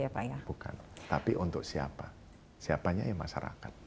ya pak ya bukan tapi untuk siapa siapanya ya masyarakat terakhir pak apa yang mau bapak